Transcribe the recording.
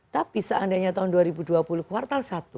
tapi seandainya tahun dua ribu dua puluh kuartal satu